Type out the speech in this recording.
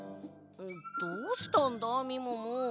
どうしたんだみもも？